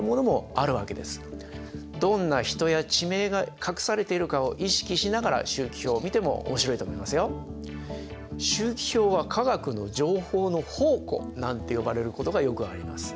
どんな人や地名が隠されているかを意識しながら周期表を見ても面白いと思いますよ。なんて呼ばれることがよくあります。